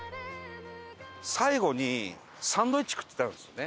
最後にサンドイッチ食ってたんですよね。